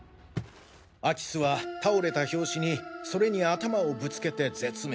空き巣は倒れた拍子にそれに頭をぶつけて絶命。